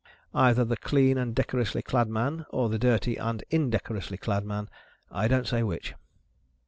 Either the clean and decorously clad man, or the dirty and indecorously clad man. I don't say which."